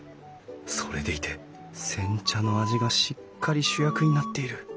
それでいて煎茶の味がしっかり主役になっている。